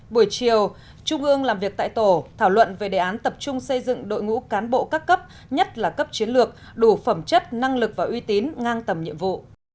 buổi chiều trung ương làm việc tại tổ thảo luận về đề án tập trung xây dựng đội ngũ cán bộ các cấp nhất là cấp chiến lược đủ phẩm chất năng lực và uy tín ngang tầm nhiệm vụ